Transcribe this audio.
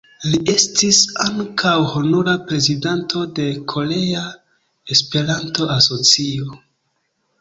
Li estis ankaŭ honora prezidanto de Korea Esperanto-Asocio.